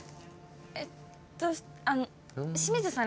えっとあの清水さん